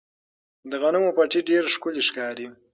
د غنمو پټي ډېر ښکلي ښکاري.